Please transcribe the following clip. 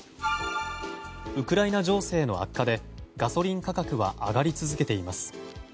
ウクライナ情勢の悪化でガソリン価格は上がり続けています。